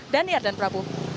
daniar dan prabu